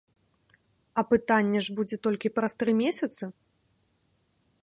Апытанне ж будзе толькі праз тры месяцы?